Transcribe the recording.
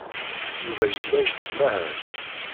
Yuba yella yettmahal.